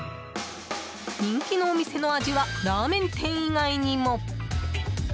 人気のお店の味はラーメン店以外にも。